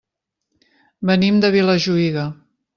Venim de Vilajuïga.